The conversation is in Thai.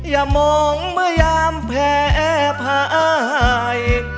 อย่ามองเมื่อยามแพ้พาอาย